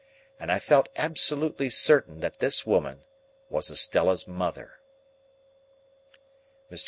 And I felt absolutely certain that this woman was Estella's mother. Mr.